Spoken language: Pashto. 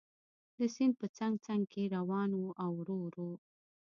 د سیند په څنګ څنګ کې روان و او ورو ورو.